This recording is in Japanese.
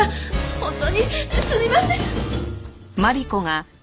本当にすみません！